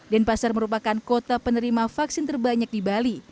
denpasar merupakan kota penerima vaksin terbanyak di bali